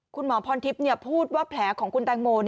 คุณหมอพรทิพย์พูดว่าแผลของคุณแตงโม